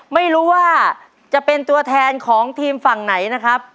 ไม่รู้ว่าจะเป็นตัวแทนของทีมฝั่งไหนนะครับ